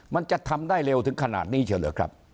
มันจะทำได้เร็วถึงขนาดนี้เชียวเหรอครับ